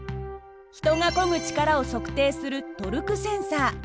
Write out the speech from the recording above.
人がこぐ力を測定するトルクセンサー。